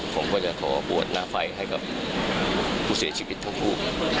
ผมก็จะขอบวชหน้าไฟให้กับผู้เสียชีวิตทั้งคู่